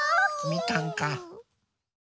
みかんか。